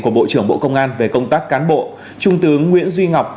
của bộ trưởng bộ công an về công tác cán bộ trung tướng nguyễn duy ngọc